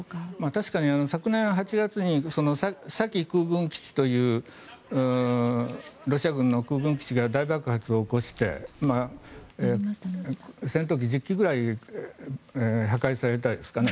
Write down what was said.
確かに昨年８月にサキ空軍基地というロシア軍の空軍基地が大爆発を起こして戦闘機１０機ぐらい破壊されたんですかね。